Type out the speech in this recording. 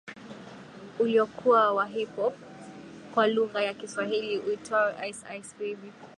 Uliokuwa wa Hip Hop kwa lugha ya Kiswahili uitwao Ice Ice Baby